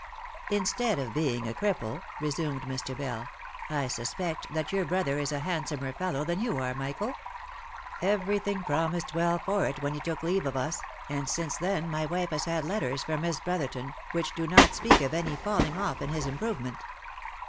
" Instead of being a cripple," resumed Mr. Bell, " I suspect that your brother is a handsomer fellow than you are, Michael. Every thing promised well for it when he took leave of us, and since then my wife has had letters from Miss Brotherton, which do not speak of any falling off in his improvement."